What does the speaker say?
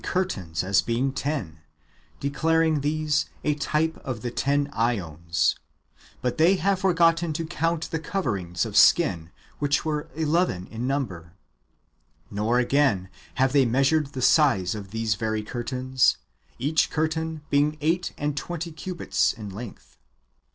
curtains^ as being ten, declaring these a type of the ten ^ons ; but they have forgotten to count the coverings of skin, which were eleven " in number. Nor, again, have they measured the size of these very curtains, each curtain^ being eight and twenty cubits in length.